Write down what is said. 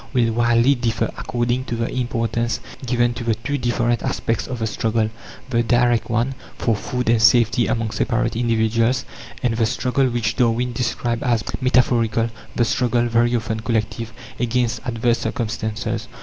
will widely differ according to the importance given to the two different aspects of the struggle: the direct one, for food and safety among separate individuals, and the struggle which Darwin described as "metaphorical" the struggle, very often collective, against adverse circumstances.